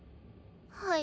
はい。